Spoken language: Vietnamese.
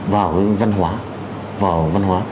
vào văn hóa